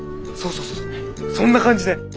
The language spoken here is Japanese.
そうそうそんな感じで。